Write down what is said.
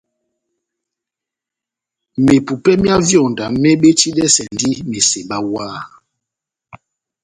Mepupè myá vyonda mebetidɛsɛndi meseba wah.